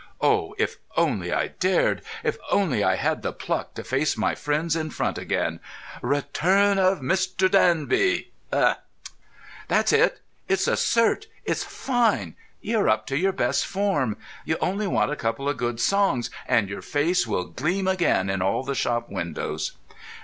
"Oh, if only I dared! If only I had the pluck to face my friends in front again! 'Return of Mr. Richard Danby,' eh?" "That's it! It's a cert.! It's fine! You're up to your best form. You only want a couple of good songs, and your face will gleam again in all the shop windows."